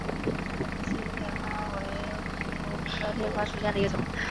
新裂瓜为葫芦科裂瓜属下的一个种。